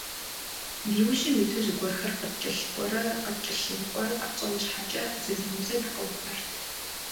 Ди ужьым иту зыгуэрхэр къыткӀэлъыкӀуэрэ къыткӀэлъымыкӀуэӀарэ къэтщӀэн щхьэкӀэ, зэзэмызэ дыкъэувыӀэрт.